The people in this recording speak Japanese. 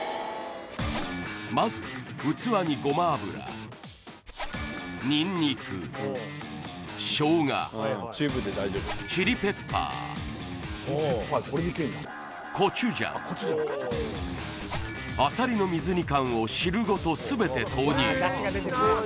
まず器にごま油ニンニク生姜チリペッパーコチュジャンあさりの水煮缶を汁ごと全て投入